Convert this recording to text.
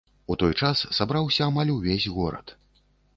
У той час сабраўся амаль увесь горад.